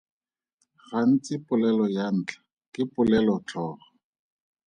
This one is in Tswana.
Gantsi polelo ya ntlha ke polelotlhogo.